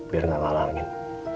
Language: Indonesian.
biar gak kalah angin